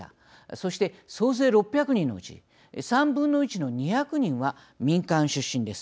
そして総勢６００人のうち３分の１の２００人は民間出身です。